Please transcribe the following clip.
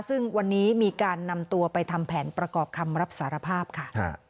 ซึ่งวันนี้มีการนำตัวไปทำแผนประกอบคำรับสารภาพค่ะ